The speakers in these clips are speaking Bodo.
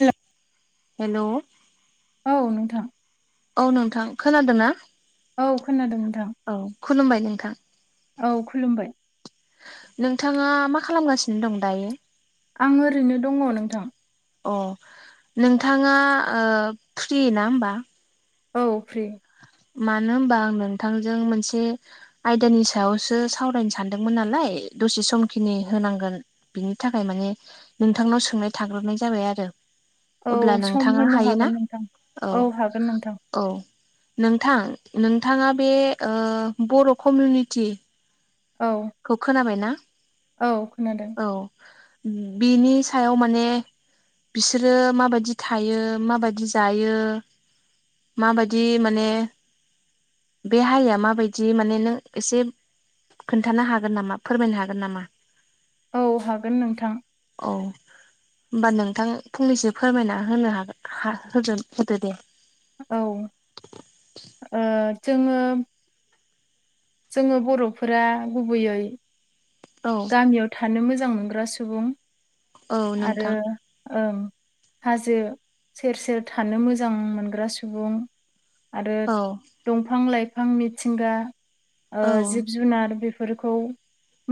हेल' हेलौ औ नोंथां औ नोंथां खोनादोंना? औ खोनादों नोंथां। खुलुमबाय नोंथां औ खुलुमबाय नोंथाङा मा खालामगासिनो दं दायो? आं ओरैनो दङ नोंथां। अह नोंथाङा ओ फ्रि ना होमबा? औ फ्रि मानो होनबा आं नोंथांजों मोनसे आयदानि सायावसो सावरायनो सानदोंमोन नालाय दसे समखिनि होनांगोन बिनि थाखाय माने नोंथांनाव सोंनाय थाग्रोबाय जाबाय आरो औ अब्ला सम नोंथाङा होनो हायोना? हागोन नोंथां औ हागोन नोंथां औ नोंथां नोंथाङा बे ओ बर' कमिउनिटि औ खौ खोनाबायना औ खोनादों। औ बिनि सायाव माने बिसोरो माबायदि थायो माबायदि जायो माबायदि माने बे हारिया माबायदि माने नों एसे खोन्थानो हागोन नामा फोरमायनो हागोन नामा? औ हागोन नोंथां। औ। होमबा नोंथां फंनैसो फोरमायना होनो हागोन हा होदो होदो दे। औ ओ जोङो जोङो बर'फोरा गुबैयै औ गामियाव थानो मोजां मोनग्रा सुबुं औ आरो नोंथां ओं। हाजो सेर सेर थानो मोजां मोनग्रा सुबुं आरो औ दंफां लाइफां मिथिंगा ओ औ जिब जुनार बे फोरफोरखौ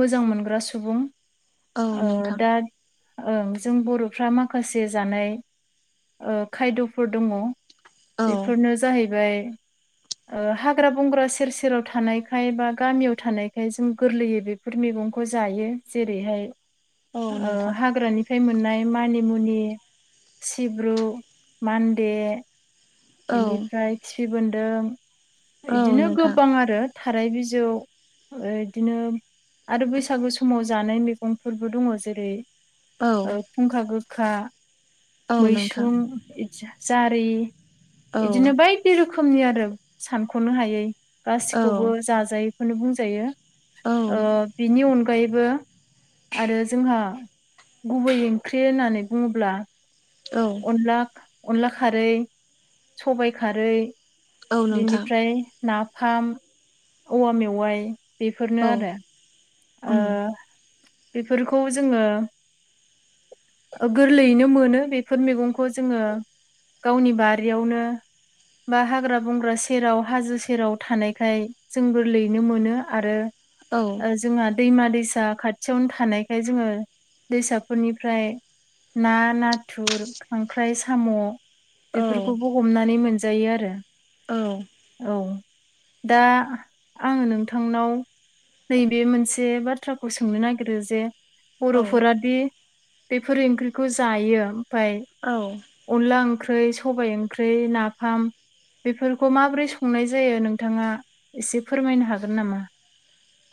मोजां मोनग्रा सुबुं औ ओ नोंथां दा ओं। जों बर'फ्रा माखासे जानाय ओ खायद'फोर दङ औ बेफोरनो जाहैबाय [inaudible] ओ हाग्रा बंग्रा सेर सेराव थानायखाय बा गामियाव थानायखाय जों गोरलैयै बेफोर मेगं खौ जायो जेरैहाय औ ओ नोंथां हाग्रानि फै मोननाय मानिमुनि, सिब्रु, मान्दे औ बेनिफ्राय खिफि बोनदों औ इदिनो नोंथां गोबां आरो। थाराय बिजौ ओ इदिनो आरो बैसागु समाव जानाय मैगंफोरबो दङ जेरै औ फुंखा गोखा औ नोंथां मैसुं जारि औ इदिनो बायदि रोखोमनि आरो सानख'नो हायै औ गासिखौबो जाजायो। खौनो बुंजायो औ ओ बिनि अनगायैबो आरो जोंहा गुबै ओंख्रि होननानै बुङोब्ला अनला अनला खारै सबाय खारै औ नोंथां बेनिफ्राय नाफाम औवा मेवाइ बेफोरनो औ आरो। ओ उम बेफोरखौ जोङो गोरलैयैनो मोनो बेफोर मैगंखौ जोङो गावनि बारियावनो बा हाग्रा बंग्रा सेराव हाजो सेराव थानायखाय जों गोरलैनो मोनो आरो औ। ओ जोंहा दैमा दैसा खाथियावनो थानायखाय जोङो दैसाफोरनिफ्राय ना नाथुर, खांख्राइ, साम' बेफोरखौबो हमनानै मोनजायो आरो। औ। औ दा आङो नोंथांनाव बे मोनसे बाथ्राखौ सोंनो नागिरो जे बर'फोरादि बेफोर ओंख्रिखौ जायो ओमफाय औ। अनला ओंख्रै, सबाय ओंख्रै, नाफाम बेफोरखौ माबोरै संनाय जायो नोंथाङा एसे फोरमायनो हागोन नामा?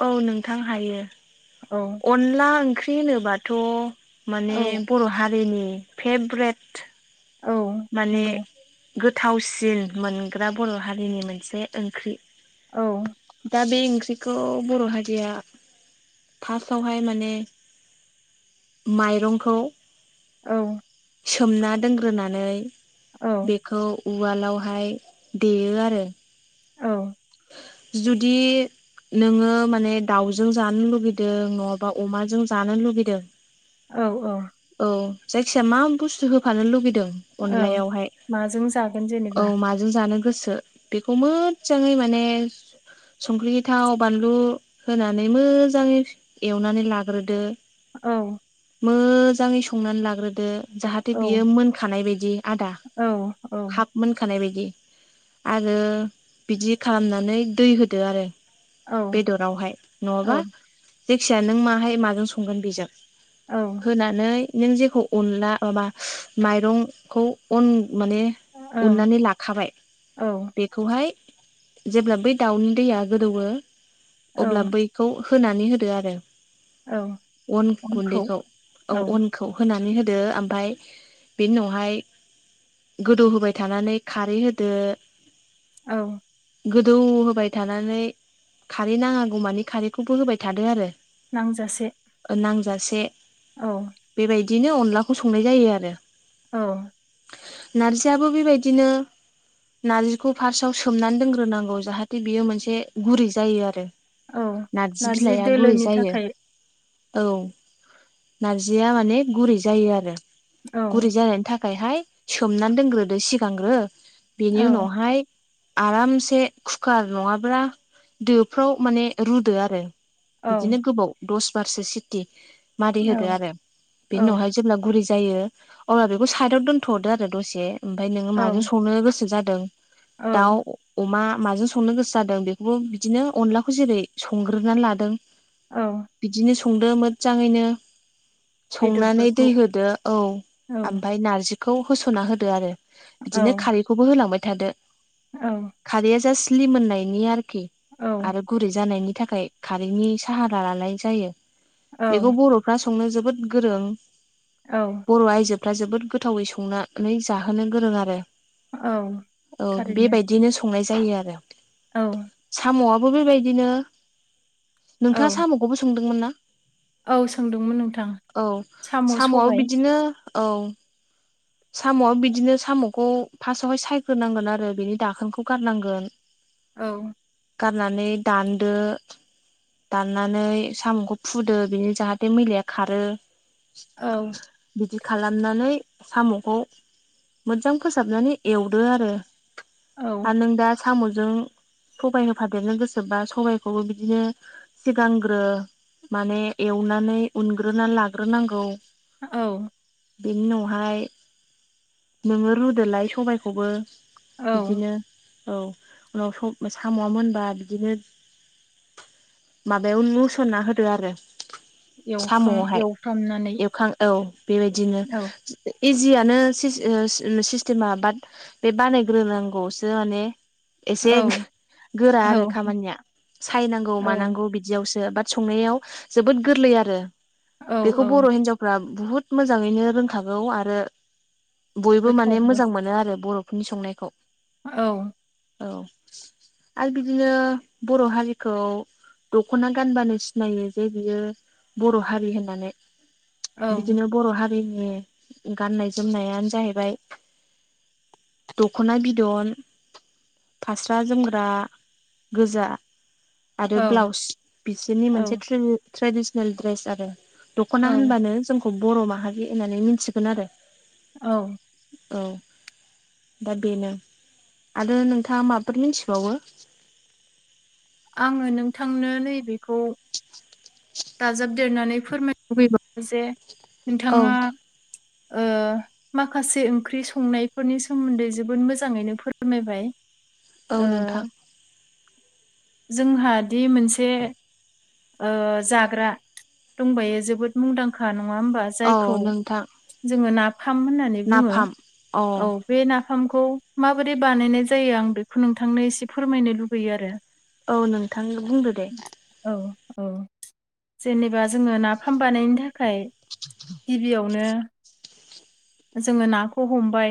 औ नोंथां हायो। औ। अनला ओंख्रि होनोबाथ' माने औ बर' हारिनि फेब्रेट औ माने नंगौ गोथावसिन मोनग्रा बर' हारिनि मोनसे ओंख्रि। औ। दा बे ओंख्रिखौ बर' हारिया फार्स्टआवहाय माने माइरंखौ औ। सोमना दोनग्रोनानै औ बेखौ उवालावहाय देयो आरो। औ जुदि नोङो माने दाउजों जानो लुगैदों नङाबा अमाजों जानो लुगैदों औ औ औ जायखिजाया मा बुस्थु होफानो लुगैदों ओं अनलायावहाय माजों जागोन जेनेबा औ माजों जानो गोसो बेखौ मोजाङै मा ने संख्रि थाव बानलु होनानै मोजाङै एवनानै लाग्रोदो। औ मोजाङै संनानै लाग्रोदो जाहाथे औ बियो मोनखानाय बायदि आदा औ औ हफ मोनखानाय बायदि आरो बिदि खालामनानै दै होदो आरो औ बेदरावहाय नङाबा जायखिया नों माहाय माजों संगोन बेजों ओं होनानै नों जेखौ अनला माबा माइरंखौ अन माने उननानै लाखाबाय औ बेखौहाय जेब्ला बै दाउनि दैया गोदौवो औ अब्ला बैखौ होनानै होदो आरो। औ अन अनखौ गुन्दैखौ औ अन खौ होनानै होदो ओमफफ्राय बेनि उनावहाय गोदौ होबाय थानानै खारै होदो औ गोदौ होबाय थानानै खारै नाङागौमानि खारैखौबो होबाय थादो आरो नांजासे नांजासे औ बेबायदिनो अनलाखौ संनाय जायो आरो। औ नारजियाबो बेबायदिनो नारजिखौ फार्स्टआव सोमनानै दोनग फोरांगौ जाहाथे बियो मोनसे गुरै जायो आरो औ नारजि बिलाइआ गुरै दोलोनि जायो थाखाय औ नारजिया माने गुरै जायो आरो औ गुरै जानायनि थाखायहाय सोमनानै दोनग्रोदो सिगांग्रो बेनि उनावहाय आरामसे एसे कुकार नङाब्ला दोफ्राव माने रुदो आरो औ बिदिनो गोबाव दस बारसो सिटि मारि होदो औ आरो बेनि उनावहाय जेब्ला गुरै जायो अब्ला बेखौ साइदाव दोन्थ'हरदो आरो दसे ओमफफ्राय नोङो औ माजों संनो गोसो जादों औ दाउ अमा माजों संनो गोसो जादों बेखौबो बिदिनो अनलाखौ जेरै संग्रोनानै लादों। औ बिदिनो संदो मोजाङैनो संनानै बेदरफोरखौ दै होदो औ औ ओमफ्राय नारजिखौ होस'ना होदो आरो औ बिदिनो खारैखौबो होलांबाय थादो। औ खारैया जा स्लि मोननायनि आरोखि औ आरो गुरै जानायनि थाखाय [unintelligible] खारैनि साहा रालाय जायो औ बेखौ बर'फ्रा संनो जोबोद गोरों औ बर' आइजोफ्रा जोबोद गोथावै संनानै जाहोनो गोरों आरो। औ थारैनो बिदिनो संनाय जायो आरो औ साम'आबो बेबायदिनो नोंथाङा औ साम'खौबो संदोंमोन ना? औ सोंदोंमोन नोंथां औ साम' साम'आ सबाय बिदिनो औ । साम'आ बिदिनो साम'खौ फार्स्टवहाय सायग्रोनांगोन आरो बिनि दाखोनखौ गारनांगोन । [inaudible] औ । गारनानै दानदो । दाननानै साम'खौ फुदो बिनो जाहाथे मैलाया खारो । औ । बिदि खालामनानै साम'खौ मोजां फोसाबनानै एवदो आरो औ आरो नों दा साम'जों सबाय होफादेरनो गोसोबोबा सबायखौबो बिदिनो सिगांग्रो माने एवनानै उनग्रोनानै लाग्रोनांगौ औ बेनि उनावहाय नोङो रुदोलाय सबायखौबो औ बिदिनो औ उनाव साम'आ मोनबा बिदिनो माबायाव मुसना होदो आरो । एवखां साम'आवहाय एवफ्रामनानै एवखां औ बेबायदिनो औ इजियानो सिस्टेमा बाट बे बानायग्रोनांगौआवसो माने औ एसे गोरा औ आरो खामानिया सायनांगौ औ मानांगौ बिदियावसो बा संनायाव जोबोद गोरलै आरो औ बेखौ औ बर' हिनजावफ्रा बुहुत मोजाङैनो रोंखागोन । नौ आरो बयबो माने गोथावबो मोजां मोनो आरो बर'फोरनि संनायखौ । औ । औ आरो बिदिनो बर' हारिखौ दख'ना गानबानो सिनायो जे बियो बर' हारि होननानै बिदिनो बर' हारिनि गाननाय जोमनायानो जाहैबाय दख'ना बिदन । फास्रा जोमग्रा गोजा आरो औ ब्लाउस बिसोरनि औ मोनसे ट्रेडिसनेल दड्रेस आरो । औ दखना होनबानो जोंखौ बर' माहारि होननानै मिथिगोन आरो । औ । औ दा बेनो आरो नोंथाङा माबफोर मिथिबावो । आङो नोंथांनो नैबेखौ । दाजाबदेरनानै फोरमायनो लुबैब जे औ नोंथाङा । ओ । माखासे ओंख्रि संनायफोरनि सोमोन्दै जोबोद मोजाङैनो फोरमायबाय । औ नोंथां । जोंहा दि मोनसे । जाग्रा दंबायो जोबोद मुंदांखा । खा नङा होमबा औ जायखौ नोंथां जोङो नाफाम होननानै बुङो नाफाम अ औ । बे नाफामखौ माबोरै बानायनाय जायो आं बेखौ नोंथांनो एसे फोरमायनो लुुबैयो आरो । औ नोंथां बुंदो । औ औ जेनेबा जोङो नाफाम बानायनो थाखाय । गिबियावनो जोङो नाखौ हमबाय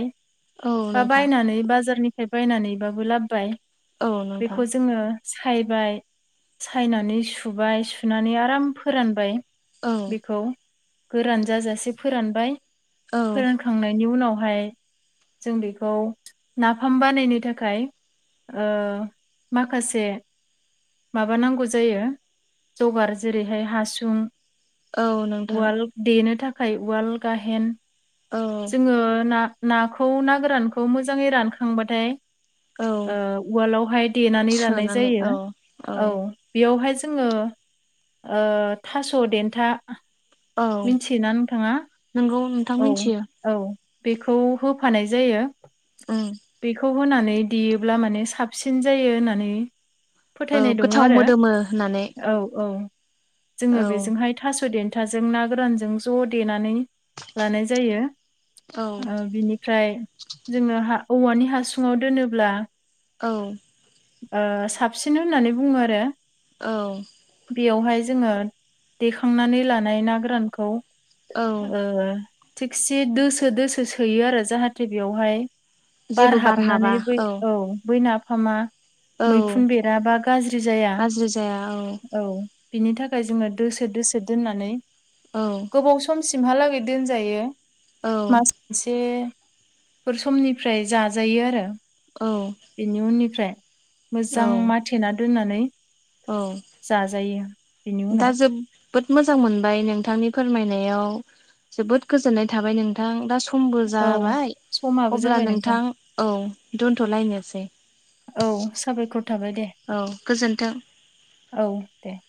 औ । बा नोंथां बायनानै बाजारनिफ्राय बायनानैबाबो लाबोबाय औ नोंथां बेखौ जोङो । सायबाय सायनानै सुबाय सुनानै आराम फोरानबाय औ । बेखौ गोरान जाजासे फोरानबाय औ फोरान । फखांनायनि उनावहाय जों बेखौ नाफाम बानायनो थाखाय । माखासे माबाानांगौ जायो जगार जेरैहाय हासुं औ नोंथां उवाल देनो थाखाय उवाल गाहेन औ । जोङो ना नाखौ ना गोरानखौ मोजाङै रानखांबाथाय औ उवालावहाय देनानै लानाय जायो औ । बेयावहाय जोङो थास' देन्था । औ मिथियोना नोंथाङा? नोंगौ नोंथां औ मिथियो। औ बेखौ होफानाय जायो। उम। बेखौ होनानै देयोब्ला माने साबसिन जायो होननानै औ फोथायनाय दङ गोथाव आरो मोदोमो होननानै औ औ । औ जोङो बेजोंहाय थास' देन्थाजों ना गोरानजों ज' देनानै लानाय औ जायो बिनिफ्राय जोङो हा औवानि हासुङाव दोनोब्ला औ । ओ साबसिन होननानै बुङो आरो। औ बेयावहाय जोङो देखांनानै लानाय ना गोरानखौ औ ओ थिगसे दोसो दोसो सोयो आरो जाहाथे बेवहाय बार हाबनानै बै औ बै नाफामा औ मैखुन बेरा बा गाज्रि जाया गाज्रि जाया औ बेनि थाखाय जोङो दोसो दोसो दोननानै औ गोबाव समसिमहालागै दोनजायो, औ मास मोनसेफोर समनिफ्राय जाजायो आरो। औ। बेनि उननिफ्राय, मोजां औ माथेना दोननानै औ। जाजायो। बेनि दा उनाव जो जोबोद मोजां मोनबाय नोंथांनि फोरमायनायाव जोबोद गोजोननाय थाबाय नोंथां, दा समबो औ जाबाय, समाबो अब्ला जाबाय नोंथां औ दोन्थ'लायनोसै। औ साबायखर थाबाय दे, औ गोजोन्थों औ दे।